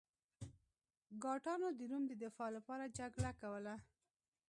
ګاټانو د روم د دفاع لپاره جګړه کوله.